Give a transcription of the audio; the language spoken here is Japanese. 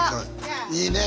いいね。